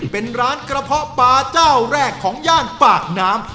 เป็นร้านกระเพาะปลาเจ้าแรกของย่านปากน้ำ